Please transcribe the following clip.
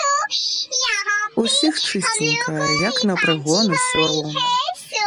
Усіх чысценька, як на прыгон усё роўна.